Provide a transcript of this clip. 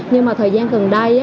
nhưng mà thời gian gần đây